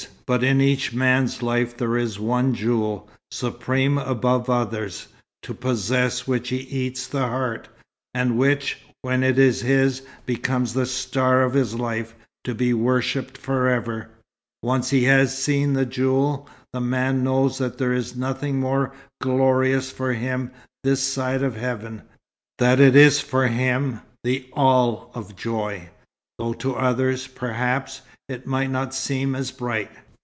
But in each man's life there is one jewel, supreme above others, to possess which he eats the heart, and which, when it is his, becomes the star of his life, to be worshipped forever. Once he has seen the jewel, the man knows that there is nothing more glorious for him this side heaven; that it is for him the All of joy, though to others, perhaps, it might not seem as bright.